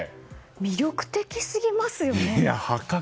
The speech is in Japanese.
魅力的すぎますよね。